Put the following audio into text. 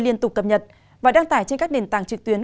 liên tục cập nhật và đăng tải trên các nền tảng trực tuyến